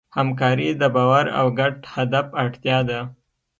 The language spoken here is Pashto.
همکاري د باور او ګډ هدف اړتیا ده.